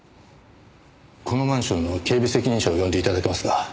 このマンションの警備責任者を呼んで頂けますか？